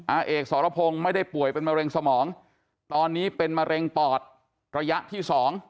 อาเอกสรพงศ์ไม่ได้ป่วยเป็นมะเร็งสมองตอนนี้เป็นมะเร็งปอดระยะที่๒